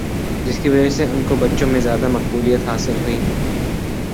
جس کی وجہ سے ان کو بچوں میں زیادہ مقبولیت حاصل ہوئی